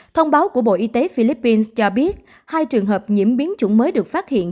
thông báo của bộ y tế philippines cho biết hai trường hợp nhiễm biến chủng mới được phát hiện